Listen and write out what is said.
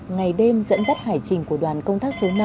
ngày đêm dẫn dắt hải trình của đoàn công tác số năm